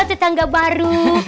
saya tangga baru